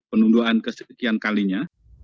penunduan kesekian kalinya